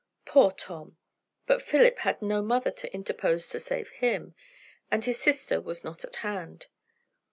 Poor Tom! But Philip had no mother to interpose to save him; and his sister was not at hand.